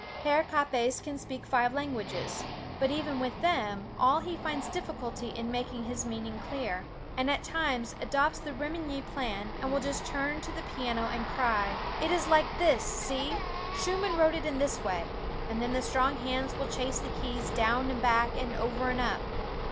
Herr Kappes can speak five languages, but even with them all he finds difficulty in making his meaning clear, and at times adopts the Remenyi plan, and will just turn to the piano and cry, "It's like this, see! Schumann wrote it in this way" and then the strong hands will chase the keys down and back and over and up.